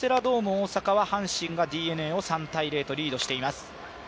大阪は阪神がＤｅＮＡを３−０とリードしています。